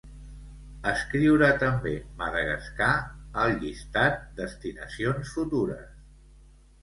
Escriure també Madagascar al llistat "destinacions futures".